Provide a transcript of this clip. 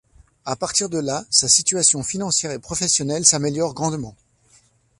À partir de là, sa situation financière et professionnelle s'améliore grandement.